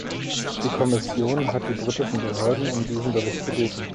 Die Kommission hat die britischen Behörden um diesen Bericht gebeten.